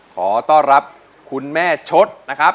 ขอต้อนรับคุณแม่ชดนะครับ